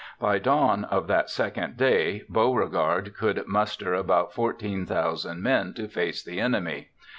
By dawn of that second day, Beauregard could muster about 14,000 men to face the enemy.